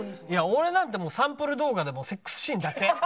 俺なんてもうサンプル動画でセックスシーンだけ。